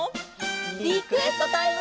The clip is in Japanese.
リクエストタイム！